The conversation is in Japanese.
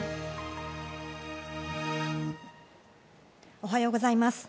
おはようございます。